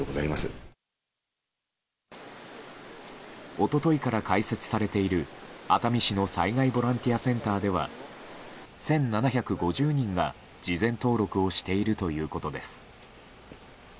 一昨日から開設されている熱海市の災害ボランティアセンターでは１７５０人が事前登録をしているということです。